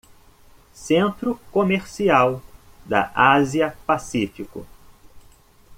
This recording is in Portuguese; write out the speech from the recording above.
Centro comercial da Ásia-Pacífico